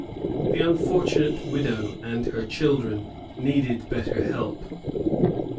The unfortunate widow and her children needed better help.